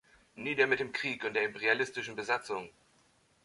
Nieder mit dem Krieg und der imperialistischen Besatzung!